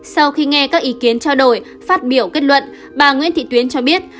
sau khi nghe các ý kiến trao đổi phát biểu kết luận bà nguyễn thị tuyến cho biết